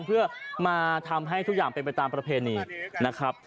เพื่อมาทำให้ทุกอย่างเป็นไปตามประเพณีนะครับ